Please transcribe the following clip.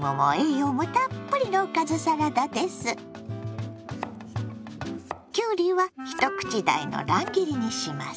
きゅうりは一口大の乱切りにします。